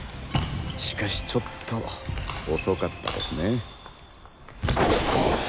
しかしちょっと遅かったですねぇ。